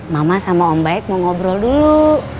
mama sama om baik mau ngobrol dulu